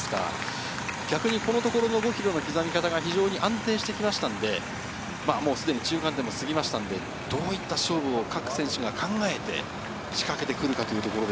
逆にこのところの５ｋｍの刻み方が安定してきましたので、中間点も過ぎましたので、どういった勝負を各選手が考えて仕掛けてくるか。